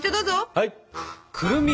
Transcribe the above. はい！